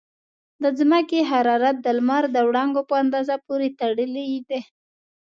د ځمکې حرارت د لمر د وړانګو په اندازه پورې تړلی دی.